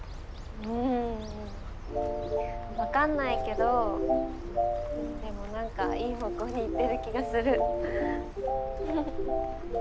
うん分かんないけどでも何かいい方向にいってる気がする。